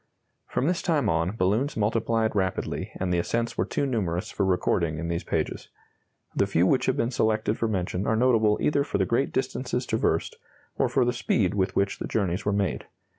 From this time on balloons multiplied rapidly and the ascents were too numerous for recording in these pages. The few which have been selected for mention are notable either for the great distances traversed, or for the speed with which the journeys were made.